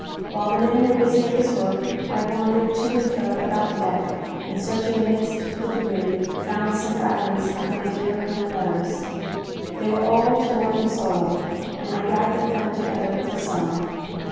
While the men were busy at this work, I wandered to and fro about the deck, and, searching amidst the débris, found some fragments of my dear home letters. They were all torn and soiled, and I gathered them together with a sigh.